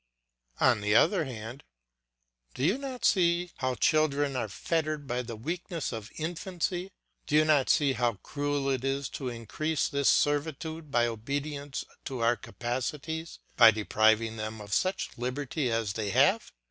On the other hand, do you not see how children are fettered by the weakness of infancy? Do you not see how cruel it is to increase this servitude by obedience to our caprices, by depriving them of such liberty as they have?